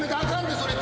それ。